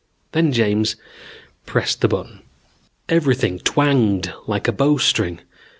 Then James pressed the button. "Everything twanged like a bowstring.